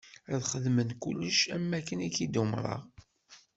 Ad xedmen kullec am wakken i k-t-id-umṛeɣ.